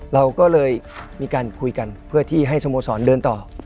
เราก็เลยมีการคุยกันเพื่อที่ให้สโมสรเดินต่อ